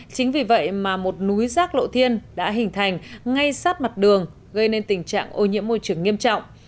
chính vì vậy mà một núi rác lộ thiên đã hình thành ngay sát mặt đường gây nên tình trạng ô nhiễm môi trường nghiêm trọng